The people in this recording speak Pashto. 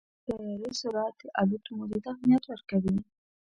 د طیارې سرعت د الوت مودې ته اهمیت ورکوي.